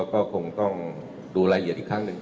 ก็คงต้องดูรายละเอียดอีกครั้งหนึ่ง